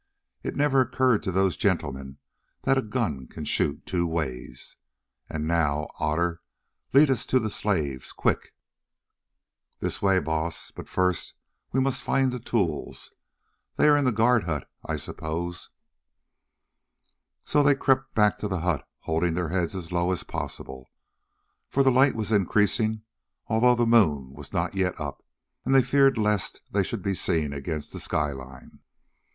"It never occurred to those gentlemen that a gun can shoot two ways. And now, Otter, lead us to the slaves, quick." "This way, Baas, but first we must find the tools; they are in the guard hut, I suppose." So they crept back to the hut, holding their heads as low as possible, for the light was increasing, although the moon was not yet up, and they feared lest they should be seen against the sky line.